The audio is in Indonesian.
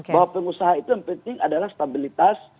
bahwa pengusaha itu yang penting adalah stabilitas